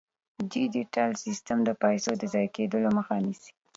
ډیجیټل سیستم د پيسو د ضایع کیدو مخه نیسي.